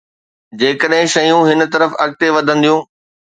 جيڪڏهن شيون هن طرف اڳتي وڌنديون.